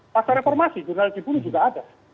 pasca reformasi jurnalis dibunuh juga ada